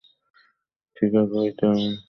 চিকাগো হইতে আমি বষ্টনে আসিলাম।